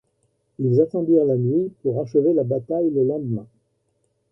Ils attendirent la nuit pour achever la bataille le lendemain.